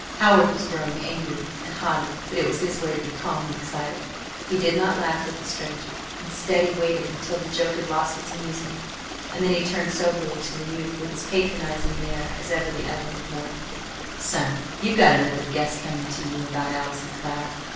Howard was growing angry and haughty, but it was his way to be calm when excited. He did not laugh with the stranger. Instead, he waited until the joke had lost its amusement and then he turned soberly to the youth with as patronizing an air as ever the other had worn: "Son, you've got another guess coming to you about Allison Cloud.